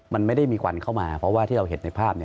มันไม่ได้มีควันเข้ามาเพราะว่าที่เราเห็นในภาพ